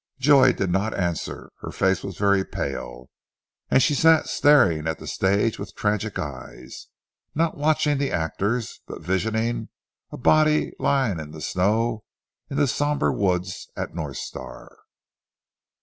Joy did not answer. Her face was very pale, and she sat staring at the stage with tragic eyes, not watching the actors, but visioning a body lying in the snow in the sombre woods at North Star.